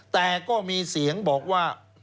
แต่ก็มีเสียงบอกว่า